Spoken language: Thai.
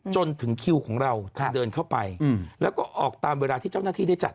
จนถึงคิวของเราจะเดินเข้าไปแล้วก็ออกตามเวลาที่เจ้าหน้าที่ได้จัด